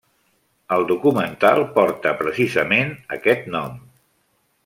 El documental porta, precisament, aquest nom.